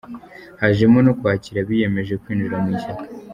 Hajemo no kwakira abiyemeje kwinjira mu ishyaka.